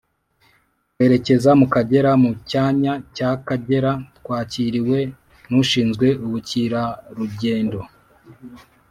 twerekeza mu kagera mu cyanya cy’akagera, twakiriwe n’ushinzwe ubukirarujyendo